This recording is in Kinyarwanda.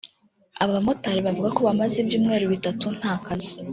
Aba bamotari bavuga ko bamaze ibyumweru bitatu nta kazi